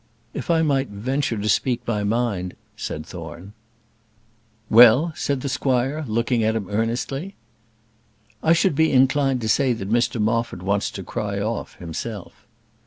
"If I might venture to speak my mind," said Thorne. "Well?" said the squire, looking at him earnestly. "I should be inclined to say that Mr Moffat wants to cry off, himself."